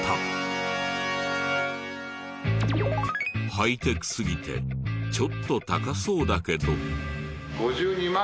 ハイテクすぎてちょっと高そうだけど。